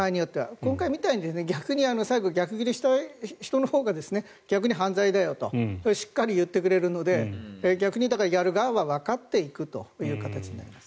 今回みたいに最後に逆ギレした人のほうが逆に、犯罪だよとしっかり言ってくれるので逆にやる側はわかっていくという形になります。